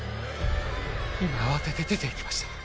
今慌てて出ていきました